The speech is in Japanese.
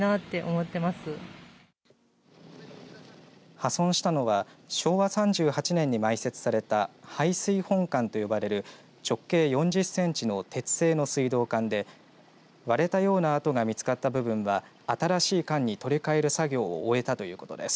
破損したのは昭和３８年に埋設された配水本管と呼ばれる直径４０センチの鉄製の水道管で割れたようなあとが見つかった部分は新しい管に取り替える作業を終えたということです。